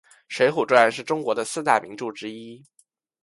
水浒传是中国的四大名著之一。